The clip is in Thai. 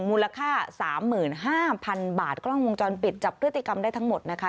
มูลค่าสามหมื่นห้าพันบาทกล้องวงจรปิดจับพฤติกรรมได้ทั้งหมดนะคะ